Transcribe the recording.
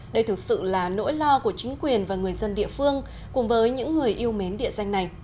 đây thực sự là nỗi lo của chính quyền và người dân địa phương cùng với những người yêu mến địa danh này